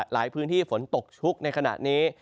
หลายพื้นที่ฝนตกชุกในขณะนี้